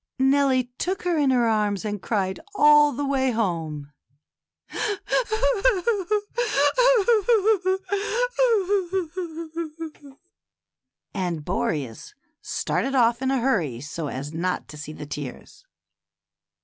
Nellie took her in her arms and cried all the way home, and Boreas started off in a hurry so as not to see the tears.